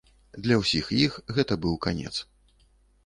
Для ўсіх іх гэта быў канец.